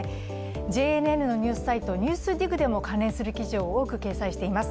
ＪＮＮのニュースサイト「ＮＥＷＳＤＩＧ」でも関連する記事を多く掲載しています。